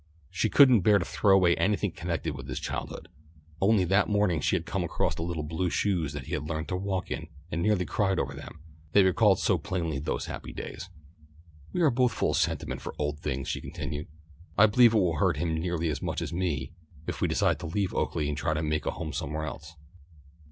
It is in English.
She couldn't bear to throw away anything connected with his childhood. Only that morning she had come across the little blue shoes that he had learned to walk in, and nearly cried over them, they recalled so plainly those happy days. "We are both full of sentiment for old things," she continued. "I believe it will hurt him nearly as much as me if we decide to leave Oaklea and try to make a home somewhere else."